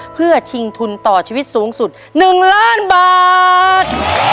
เพื่อชิงทุนต่อชีวิตสูงสุด๑ล้านบาท